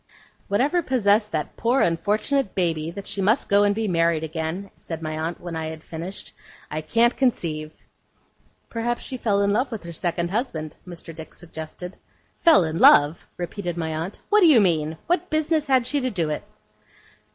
'Whatever possessed that poor unfortunate Baby, that she must go and be married again,' said my aunt, when I had finished, 'I can't conceive.' 'Perhaps she fell in love with her second husband,' Mr. Dick suggested. 'Fell in love!' repeated my aunt. 'What do you mean? What business had she to do it?